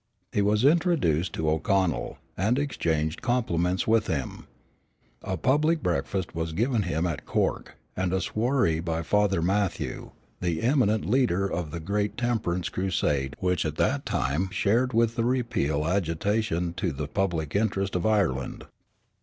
He was introduced to O'Connell, and exchanged compliments with him. A public breakfast was given him at Cork, and a soiree by Father Matthew, the eminent leader of the great temperance crusade which at that time shared with the repeal agitation the public interest of Ireland.